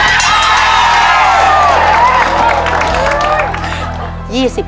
พิ้งไปที่นักงาน